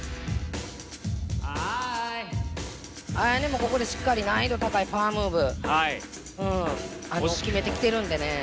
Ａｙａｎｅもここでしっかり難易度高いパワームーブ決めてきてるんでね。